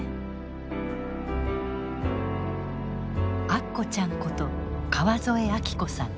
アッコちゃんこと川添明子さん。